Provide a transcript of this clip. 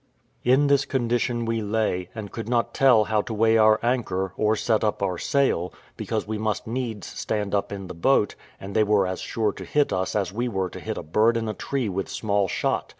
In this condition we lay, and could not tell how to weigh our anchor, or set up our sail, because we must needs stand up in the boat, and they were as sure to hit us as we were to hit a bird in a tree with small shot.